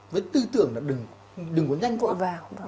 với tư tưởng là đừng có nhanh vội